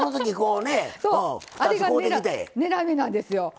あれが狙いなんですよ。